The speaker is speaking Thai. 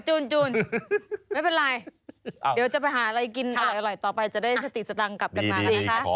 จูนไม่เป็นไรเดี๋ยวจะไปหาอะไรกินอร่อยต่อไปจะได้สติสตังค์กลับกันมานะคะ